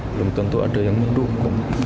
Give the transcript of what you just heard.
belum tentu ada yang mendukung